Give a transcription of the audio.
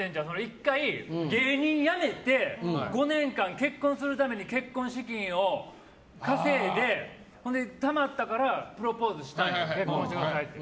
１回、芸人やめて５年間結婚するために結婚資金を稼いで、たまったからプロポーズしたんよ結婚してくださいって。